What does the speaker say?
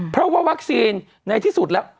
เพราะว่าวัคซีนในที่สุดแล้ว